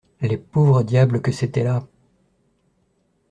Les pauvres diables que c'étaient là!